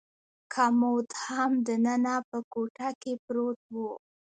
کمود هم دننه په کوټه کې پروت و.